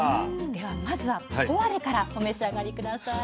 ではまずはポワレからお召し上がり下さい。